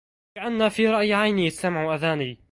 كأن في رأي عيني سمع آذاني